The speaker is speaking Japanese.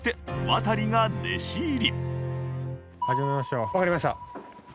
わかりました。